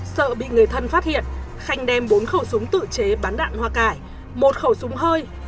sợ bị người thân phát hiện khanh đem bốn khẩu súng tự chế bắn đạn hoa cải một khẩu súng hơi